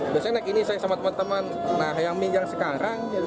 biasanya naik ini saya sama teman teman nah yang mie yang sekarang